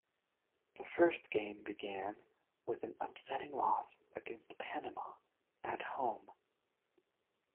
The first game began with an upsetting loss against Panama at home.